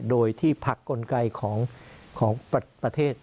โดยที่พักกลไกของประเทศ